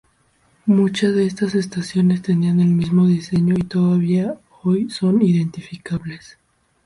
Muchas de estas estaciones tenían el mismo diseño, y todavía hoy son identificables.